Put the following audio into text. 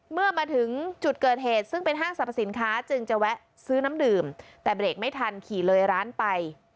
เมื่อมาถึงจุดเกิดเหตุซึ่งเป็นห้างสรรพสินค้าจึงจะแวะซื้อน้ำดื่มแต่เบรกไม่ทันขี่เลยร้านไป